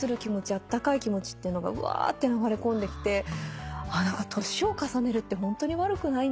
あったかい気持ちっていうのがぶわーって流れ込んできて年を重ねるってホントに悪くないんだなって。